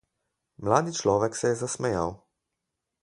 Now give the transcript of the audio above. Mladi človek se je zasmejal.